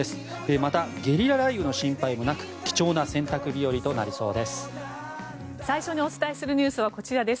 また、ゲリラ雷雨の心配ももなく貴重な洗濯日和となりそうです。